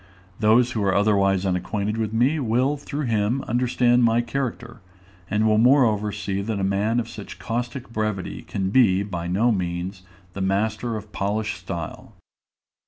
Those who are otherwise unacquainted with me will through him understand my character, and will moreover see that a man of such caustic brevity can be, by no means, a master of polished style.